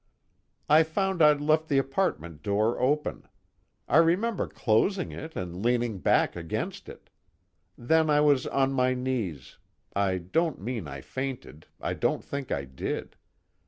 "I found I'd left the apartment door open. I remember closing it and leaning back against it. Then I was on my knees I don't mean I fainted, I don't think I did.